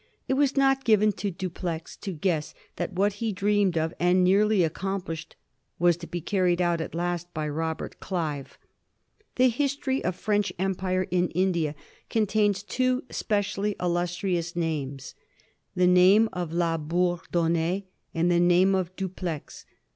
It was not given to Dupleix to guess that what he dreamed of and nearly accomplished was to be carried out at l^t by Robert Clive. The history of French empire in India contains two specially illustrious names — the name of La Bourdonnais and the name of Dupleix.